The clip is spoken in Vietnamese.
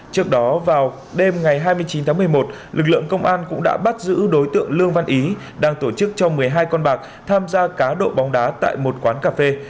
trước đó vào đêm ngày hai mươi chín tháng một mươi một lực lượng công an cũng đã bắt giữ đối tượng lương văn ý đang tổ chức cho một mươi hai con bạc tham gia cá độ bóng đá tại một quán cà phê